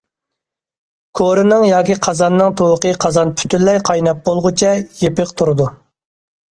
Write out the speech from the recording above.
كورىنىڭ ياكى قازاننىڭ تۇۋىقى قازان پۈتۈنلەي قايناپ بولغۇچە يېپىق تۇرىدۇ.